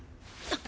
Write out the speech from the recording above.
あっ。